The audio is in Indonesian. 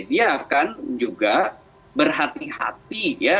dia akan juga berhati hati ya